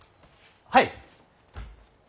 はい。